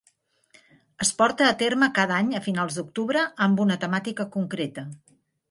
Es porta a terme cada any a finals d’octubre amb una temàtica concreta.